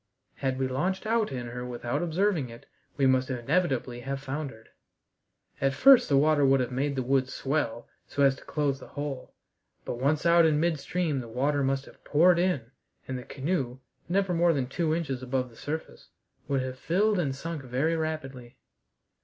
Had we launched out in her without observing it we must inevitably have foundered. At first the water would have made the wood swell so as to close the hole, but once out in midstream the water must have poured in, and the canoe, never more than two inches above the surface, would have filled and sunk very rapidly.